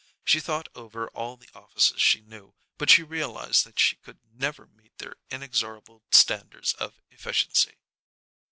She thought over all the offices she knew, but she realized that she could never meet their inexorable standards of efficiency.